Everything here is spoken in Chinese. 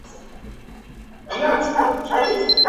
也有研究针对代码审查找到的缺陷类型进行分析。